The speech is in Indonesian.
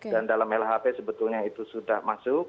dan dalam lhp sebetulnya itu sudah masuk